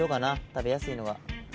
食べやすいのは。